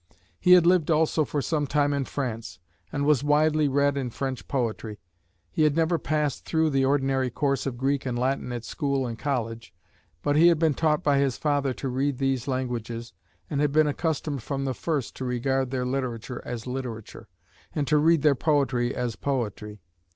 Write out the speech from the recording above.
He had lived also for some time in France, and was widely read in French poetry. He had never passed through the ordinary course of Greek and Latin at school and college, but he had been taught by his father to read these languages, and had been accustomed from the first to regard their literature as literature, and to read their poetry as poetry.